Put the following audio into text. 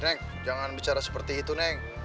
neng jangan bicara seperti itu neng